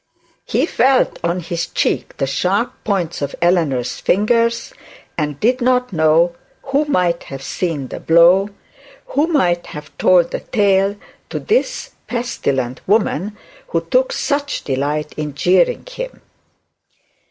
He felt on his cheek the sharp points of Eleanor's fingers, and did not know who might have seen the blow, who might have told the tale to this pestilent woman who took such delight in jeering him.